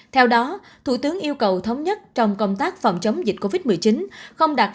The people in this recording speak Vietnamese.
theo đó thủ tướng yêu cầu thống nhất trong công tác phòng chống dịch covid một mươi chín không đạt